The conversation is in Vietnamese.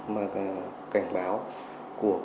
và các đối tượng đã được gửi đến